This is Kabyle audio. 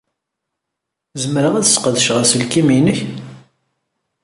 Zemreɣ ad sqedceɣ aselkim-nnek?